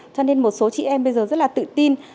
cho nên một số chị em bây giờ rất là tự tin